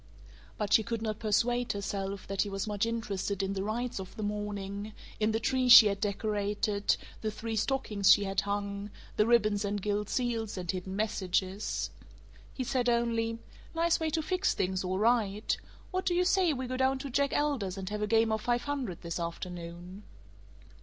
But she could not persuade herself that he was much interested in the rites of the morning, in the tree she had decorated, the three stockings she had hung, the ribbons and gilt seals and hidden messages. He said only: "Nice way to fix things, all right. What do you say we go down to Jack Elder's and have a game of five hundred this afternoon?"